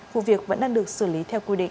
vụ việc vẫn đang được xử lý theo quy định